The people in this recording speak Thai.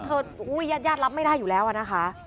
เพราะเธอโอ้โหญาติรับไม่ได้อยู่แล้วอ่ะนะคะ